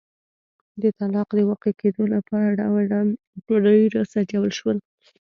د طلاق د واقع کېدو لپاره ډول ډول تدابیر وسنجول شول.